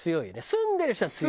住んでる人は強い。